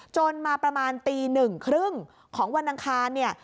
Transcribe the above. จนมาประมาณตีหนึ่งครึ่งของวันอังคารเนี่ย